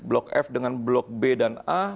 blok f dengan blok b dan a